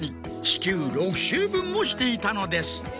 地球６周分もしていたのです！